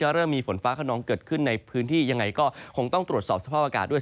เริ่มมีฝนฟ้าขนองเกิดขึ้นในพื้นที่ยังไงก็คงต้องตรวจสอบสภาพอากาศด้วย